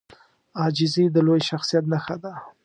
عاجزي د لوی شخصیت نښه ده.